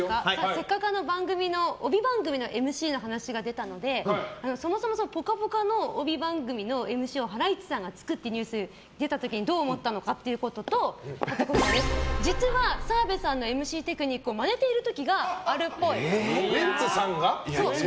せっかく帯番組のＭＣの話が出たのでそもそも「ぽかぽか」の帯番組のＭＣをハライチさんがつくというニュースを見た時にどう思ったのかということと実は澤部さんのＭＣテクニックをウエンツさんが？